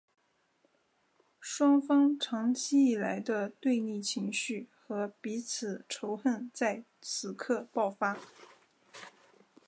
双方长期以来的对立情绪和彼此仇恨在此刻爆发。